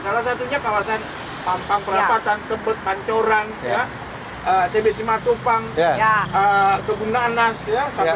salah satunya kawasan pampang pelapatan tebet pancoran ya tbc matopang kebunan nas ya sampai ke